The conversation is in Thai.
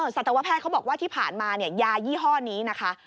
สัตวแพทย์เขาบอกว่าที่ผ่านมาเนี่ยยายี่ห้อนี้นะคะ